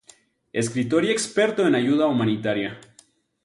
Escritor y experto en ayuda humanitaria.